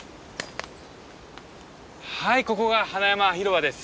はいここが花山広場です。